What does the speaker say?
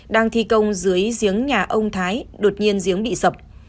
đang thi công dưới giếng nhà ông thái đột nhiên giếng bị sập